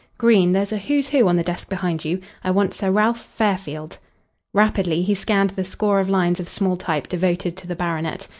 "Green, there's a 'Who's Who' on the desk behind you. I want Sir Ralph Fairfield." Rapidly he scanned the score of lines of small type devoted to the baronet.